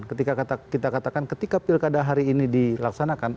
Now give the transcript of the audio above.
ketika kita katakan ketika pilih keadaan hari ini dilaksanakan